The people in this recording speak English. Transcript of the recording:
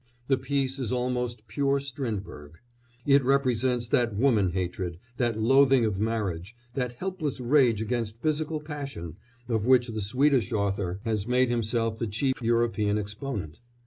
The piece is almost pure Strindberg; it represents that woman hatred, that loathing of marriage, that helpless rage against physical passion, of which the Swedish author has made himself the chief European exponent.